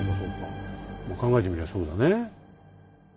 考えてみりゃそうだね。